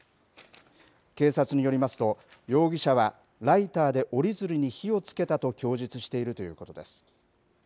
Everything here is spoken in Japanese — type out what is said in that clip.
警察によりますと、容疑者はライターで折り鶴に火をつけたと供述しているということです。